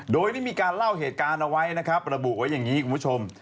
โดยได้มีการเล่าเหตุการณ์เอาไว้นะครับระบุไว้อย่างนี้คุณผู้ชม